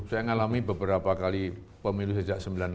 saya ngalami beberapa kali pemilu sejak